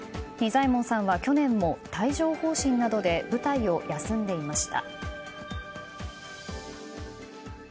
仁左衛門さんは去年も帯状疱疹などで舞台を休んでいました。